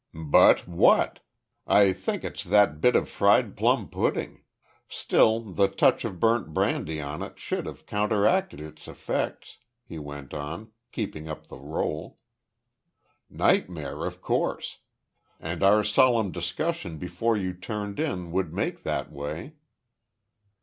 "But what? I think it's that bit of fried plum pudding; still, the touch of burnt brandy on it should have counteracted its effects," he went on, keeping up the role. "Nightmare of course. And our solemn discussion before you turned in would make that way."